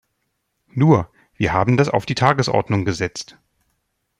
Nur, wir haben das auf die Tagesordnung gesetzt.